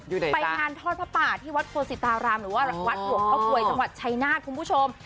ไปงานทอดพระป่าที่วัดโฟศิตารามหรือวัดหลวงพ่อควยสวัสดิ์ชัยนาธิ์คุณผู้ชม